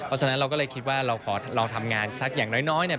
เพราะฉะนั้นเราก็เลยคิดว่าเราขอเราทำงานสักอย่างน้อยเนี่ย